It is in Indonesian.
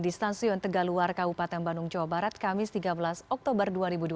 di stasiun tegaluar kabupaten bandung jawa barat kamis tiga belas oktober dua ribu dua puluh